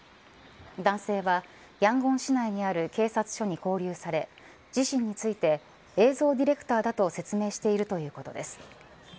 男性はヤンゴン市内にある警察署にこう留され自身について映像ディレクターだと説明しているということです。